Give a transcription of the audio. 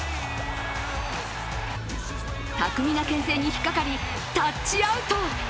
巧みなけん制に引っかかりタッチアウト。